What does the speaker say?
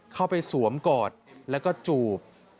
เข้าไปสวมกอดแล้วก็จูบ